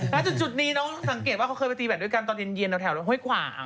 แล้วจุดนี้น้องสังเกตว่าเขาเคยไปตีแบบด้วยกันตอนเย็นแถวห้วยขวาง